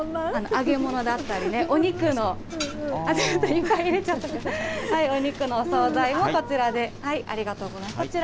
揚げ物だったり、お肉の、いっぱい入れちゃった、お肉のお総菜もこちらで、ありがとうございます。